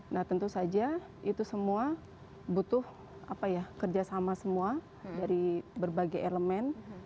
nah tentu saja itu semua butuh kerjasama semua dari berbagai elemen